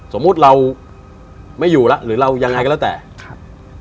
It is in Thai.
สมมุติเราไม่อยู่แล้วหรือเรายังไงก็แล้วแต่ครับ